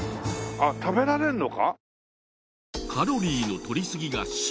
あっ食べられるのか？